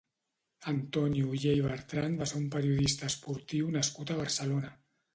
Antoni Ollé i Bertran va ser un periodista esportiu nascut a Barcelona.